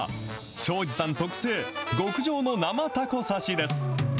庄司さん特製、極上の生タコ刺しです。